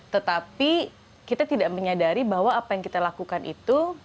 tetapi kita tidak menyadari bahwa apa yang kita lakukan itu